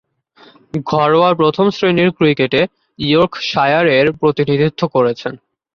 ঘরোয়া প্রথম-শ্রেণীর ক্রিকেটে ইয়র্কশায়ারের প্রতিনিধিত্ব করেছেন।